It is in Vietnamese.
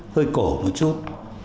hơi cổ một chút